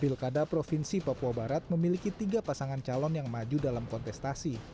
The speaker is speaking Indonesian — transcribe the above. pilkada provinsi papua barat memiliki tiga pasangan calon yang maju dalam kontestasi